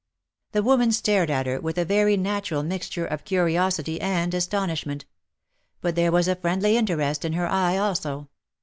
The woman stared at her with a very natural mixture of curiosity and astonishment ; but there was a friendly interest in her eye, also.